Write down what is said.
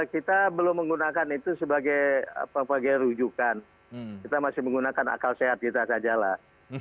kita belum menggunakan itu sebagai rujukan kita masih menggunakan akal sehat kita saja lah